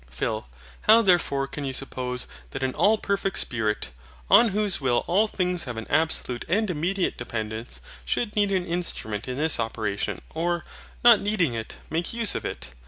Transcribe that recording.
PHIL. How therefore can you suppose that an All perfect Spirit, on whose Will all things have an absolute and immediate dependence, should need an instrument in his operations, or, not needing it, make use of it?